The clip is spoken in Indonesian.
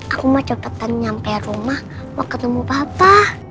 aku mau cepat cepat sampai rumah mau ketemu bapak